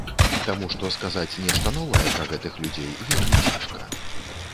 Таму што сказаць нешта новае пра гэтых людзей вельмі цяжка.